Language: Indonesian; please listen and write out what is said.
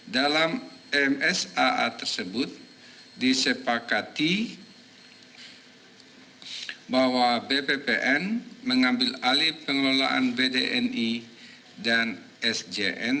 dalam msaa tersebut disepakati bahwa bppn mengambil alih pengelolaan bdni dan sjn